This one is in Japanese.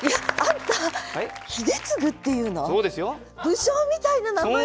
武将みたいな名前だ！